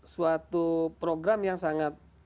suatu program yang sangat